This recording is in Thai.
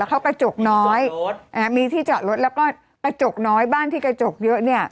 เขากระจกน้อยมีที่จอดรถแล้วก็กระจกน้อยบ้านที่กระจกเยอะเนี่ย